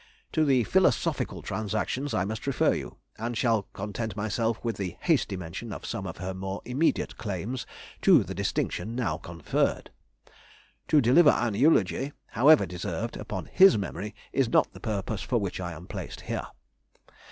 To the Philosophical Transactions I must refer you, and shall content myself with the hasty mention of some of her more immediate claims to the distinction now conferred. To deliver an eulogy (however deserved) upon his memory is not the purpose for which I am placed here.